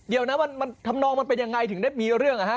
เดี๋ยวนะมันทำนองมันเป็นยังไงถึงได้มีเรื่อง